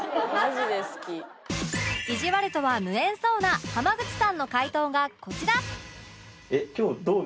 いじわるとは無縁そうな浜口さんの回答がこちら